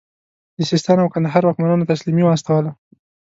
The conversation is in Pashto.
د سیستان او کندهار واکمنانو تسلیمي واستوله.